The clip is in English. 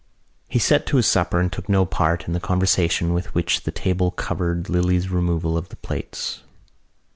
He set to his supper and took no part in the conversation with which the table covered Lily's removal of the plates.